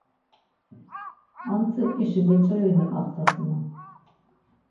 Antzi k̆işi meç̆ireli mek̆axtasinon.